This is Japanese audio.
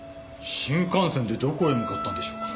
新幹線でどこへ向かったんでしょうか？